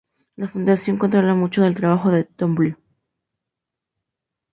La fundación controla mucho del trabajo de Twombly.